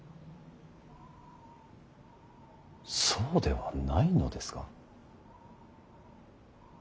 そうではないのですか。